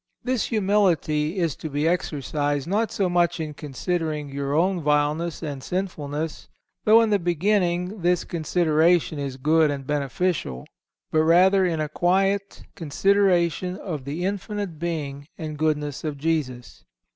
This humility is to be exercised not so much in considering your own vileness and sinfulness, though in the beginning this consideration is good and beneficial, but rather in a quiet consideration of the infinite being and goodness of Jesus.